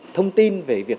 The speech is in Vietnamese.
thông tin về việc